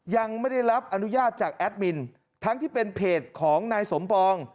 ยังไม่ได้รับอนุญาตจากแอดมินทั้งที่เป็นเพจของนายสมปอง